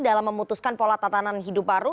dalam memutuskan pola tatanan hidup baru